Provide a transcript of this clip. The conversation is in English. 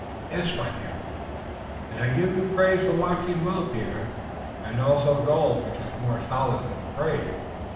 "Yes, Mynheer." "Und I gif you praise for watching well, Peter, und also gold, which iss much more solid than praise.